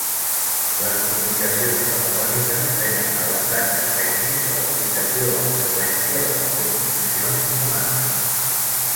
Les comunicacions telefòniques prenen l'avantatge tècnic de la limitació en freqüència de les comunicacions humanes.